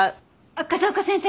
あっ風丘先生！